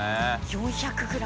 ４００ｇ。